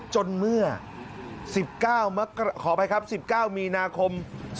จนเมื่อ๑๙เมียนาคม๒๖๖๔